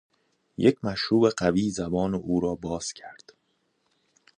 یک مشروب قوی زبان او را باز کرد.